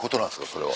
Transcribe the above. それは。